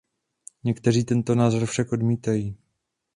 Někteří tento názor však odmítají.